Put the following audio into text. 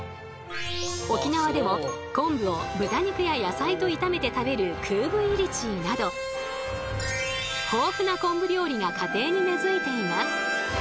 沖縄でも昆布を豚肉や野菜と炒めて食べるクーブイリチーなど豊富な昆布料理が家庭に根づいています。